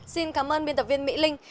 xin cảm ơn biên tập viên mỹ linh